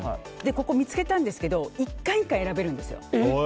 ここ見つけたんですけど１回１回選べるんですよ。